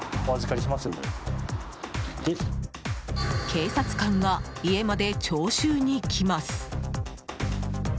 警察官が家まで徴収に来ます。